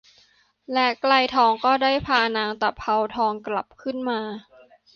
และไกรทองก็ได้พานางตะเภาทองกลับขึ้นมา